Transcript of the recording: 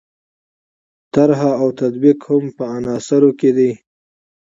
طرح او تطبیق هم په عناصرو کې دي.